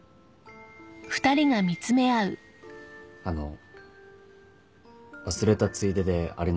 あの忘れたついでであれなんですけど。